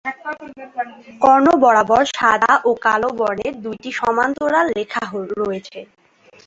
কর্ণ বরাবর সাদা ও কালো বর্ণের দুইটি সমান্তরাল রেখা রয়েছে।